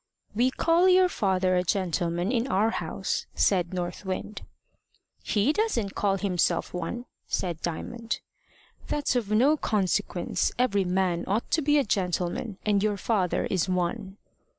"We call your father a gentleman in our house," said North Wind. "He doesn't call himself one," said Diamond. "That's of no consequence: every man ought to be a gentleman, and your father is one."